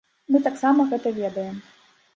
Мы таксама гэта ведаем.